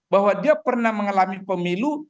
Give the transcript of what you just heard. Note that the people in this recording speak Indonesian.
bahwa dia pernah mengalami pemilu